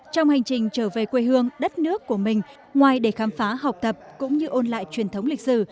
trong hành trình trở về quê hương đất nước của mình ngoài để khám phá học tập cũng như ôn lại truyền thống lịch sử